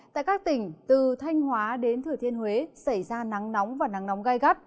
tại các tỉnh từ thanh hóa đến thừa thiên huế xảy ra nắng nóng và nắng nóng gai gắt